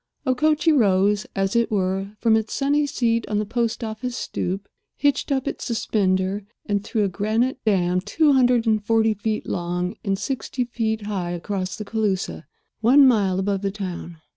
Okochee rose, as it were, from its sunny seat on the post office stoop, hitched up its suspender, and threw a granite dam two hundred and forty feet long and sixty feet high across the Cooloosa one mile above the town.